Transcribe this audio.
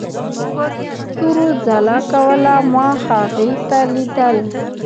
ستورو ځلا کوله، ما هغې ته ليدل.